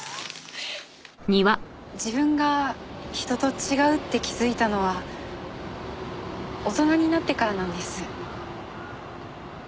自分が人と違うって気づいたのは大人になってからなんです。